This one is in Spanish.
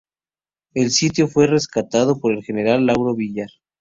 El sitio fue rescatado por el general Lauro Villar.